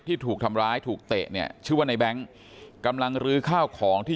ถูกทำร้ายถูกเตะเนี่ยชื่อว่าในแบงค์กำลังลื้อข้าวของที่